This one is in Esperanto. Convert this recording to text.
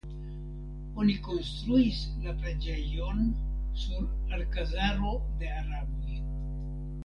Oni konstruis la preĝejon sur alkazaro de araboj.